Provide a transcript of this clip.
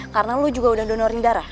karena lo juga udah donorin darah